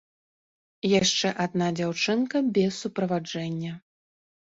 Яшчэ адна дзяўчынка без суправаджэння.